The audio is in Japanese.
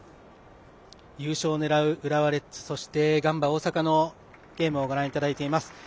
優勝を狙う浦和レッズそしてガンバ大阪のゲームをご覧いただいています。